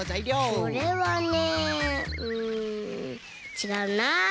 これはねうんちがうな。